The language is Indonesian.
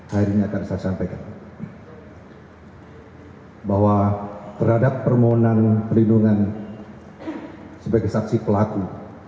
hari ini akan saya sampaikan bahwa terhadap permohonan perlindungan sebagai saksi pelaku